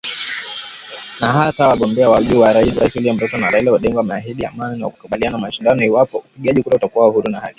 Na hata wagombea wa juu wa urais William Ruto na Raila Odinga wameahidi amani na kukubali kushindwa iwapo upigaji kura utakuwa huru na wa haki